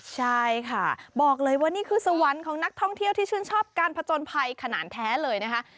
ใช่ค่ะบอกเลยว่านี่คือสวรรค์ของนักท่องเที่ยวที่ชื่นชอบการผจญภัยขนาดแท้เลยนะคะ